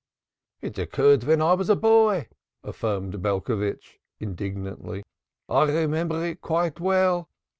"It occurred when I was a boy," affirmed Belcovitch indignantly. "I remember it quite well.